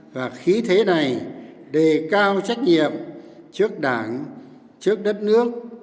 và khí thế này đề cao trách nhiệm trước đảng trước đất nước